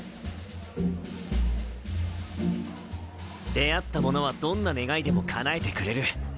出会った者はどんな願いでも叶えてくれる。